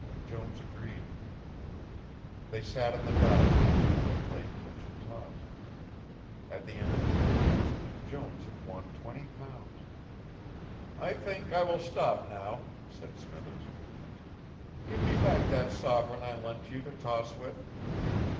Jones agreed. They sat on the divan and played pitch and toss. At the end of ten minutes, Jones had won twenty pounds. "I think I will stop now," said Smithers. "Give me back that sovereign I lent you to toss with."